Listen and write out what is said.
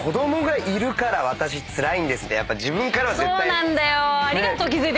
そこなんだよ。